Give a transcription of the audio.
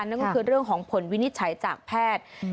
นั่นก็คือเรื่องของผลวินิจฉัยจากแพทย์